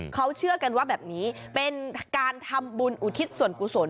เขาเชื่อกันว่าแบบนี้เป็นการทำบุญอุทิศส่วนกุศล